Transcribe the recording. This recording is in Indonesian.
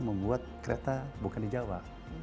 membuat kereta bukan di jawa